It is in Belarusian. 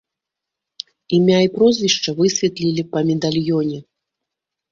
Імя і прозвішча высветлілі па медальёне.